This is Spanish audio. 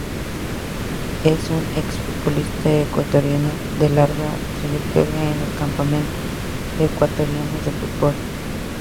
Es un ex futbolista ecuatoriano de larga trayectoria en el Campeonato Ecuatoriano de Fútbol.